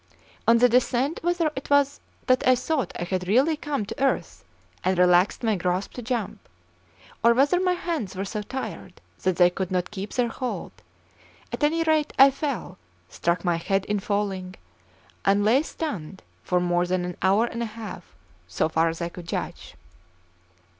On the descent, whether it was that I thought I had really come to earth and relaxed my grasp to jump, or whether my hands were so tired that they could not keep their hold, at any rate I fell, struck my head in falling, and lay stunned for more than an hour and a half, so far as I could judge.